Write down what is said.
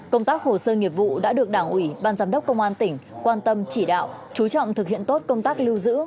công tác hồ sơ nghiệp vụ đã được đảng ủy ban giám đốc công an tỉnh quan tâm chỉ đạo chú trọng thực hiện tốt công tác lưu giữ